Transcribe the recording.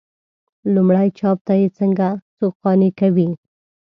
لومړي چاپ ته یې څنګه څوک قانع کوي.